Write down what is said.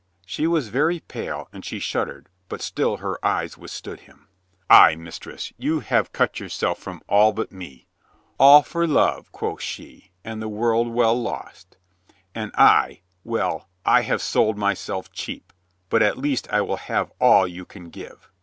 She was very pale and she shuddered but still her eyes withstood him. "Ay, mistress, you have cut yourself from all but me. 'All for love.' quo' she, 'and the world well lost.' And I — well, I have sold myself cheap, but at least I will have all you can give."